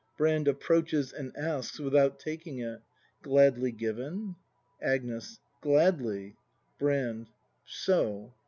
Brand. [Approaches and asks, without taking it.] Gladly given ? Agnes. Gladly! Brand. So.